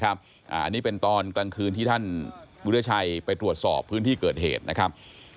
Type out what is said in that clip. อันนี้เป็นตอนกลางคืนที่ท่านวิทยาชัยไปตรวจสอบพื้นที่เกิดเหตุนะครับ